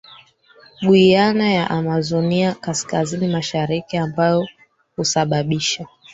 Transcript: Guiana ya Amazonia kaskazini mashariki ambayo husababisha